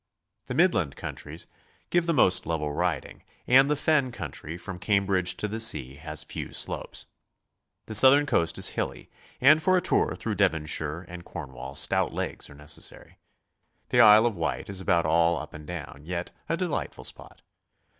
The midland countries give the most level riding, and the fen country, from Cambridge to the sea, has few slopes. The southern coast is hilly, and for a tour through Devonshire and Cornwall stout legs are necessary. The Isle of Wight is about all up and down, yet a delightful spot.